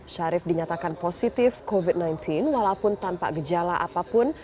syarif dinyatakan positif covid sembilan belas walaupun tanpa gejala apapun